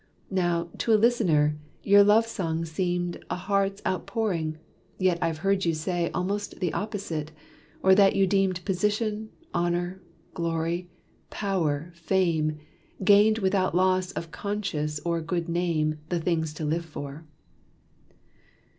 Now, to a listener, your love song seemed A heart's out pouring; yet I've heard you say Almost the opposite; or that you deemed Position, honor, glory, power, fame, Gained without loss of conscience or good name, The things to live for."